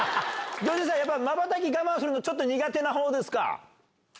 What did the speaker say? ジョンジェさん、まばたき我慢するのちょっと苦手なほうですか？